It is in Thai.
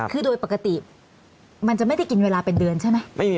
คือโดยปกติมันจะไม่ได้กินเวลาเป็นเดือนใช่ไหม